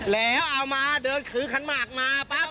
แล้วเอามาเดินถือขันหมากมาปั๊บ